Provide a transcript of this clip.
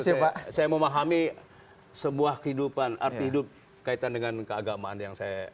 sehingga saya memahami sebuah kehidupan arti hidup kaitan dengan keagamaan yang saya anwud itu